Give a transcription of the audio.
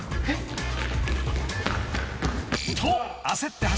えっ？